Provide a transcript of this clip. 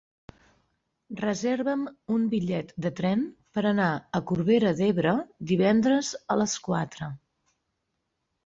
Reserva'm un bitllet de tren per anar a Corbera d'Ebre divendres a les quatre.